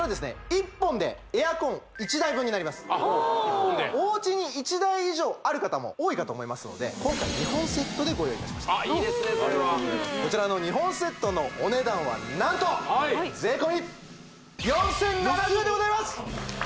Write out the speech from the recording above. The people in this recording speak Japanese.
１本でエアコン１台分になりますおっおうちに１台以上ある方も多いかと思いますので今回２本セットでご用意いたしましたあっいいですねそれはこちらの２本セットのお値段は何と税込４０７０円でございます！